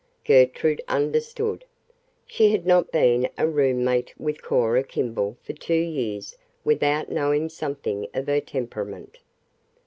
Gertrude understood. She had not been a roommate with Cora Kimball for two years without knowing something of her temperament.